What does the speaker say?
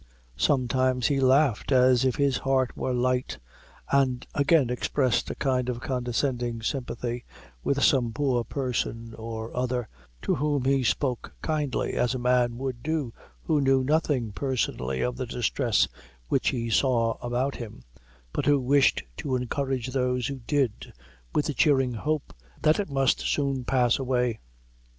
Sometimes he laughed as if his heart were light, and again expressed a kind of condescending sympathy with some poor person or other, to whom he spoke kindly, as a man would do who knew nothing personally of the distress which he saw about him, but who wished to encourage those who did with the cheering hope that it must soon pass away.